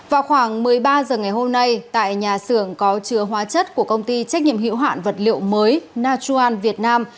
vào khoảng một mươi ba h ngày hôm nay tại nhà xưởng có chứa hóa chất của công ty trách nhiệm hiệu hoạn vật liệu mới nachuan việt nam